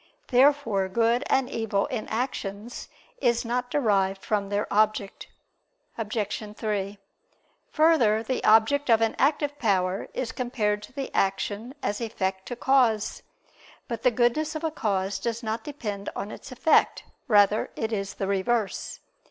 Therefore good and evil in actions is not derived from their object. Obj. 3: Further, the object of an active power is compared to the action as effect to cause. But the goodness of a cause does not depend on its effect; rather is it the reverse.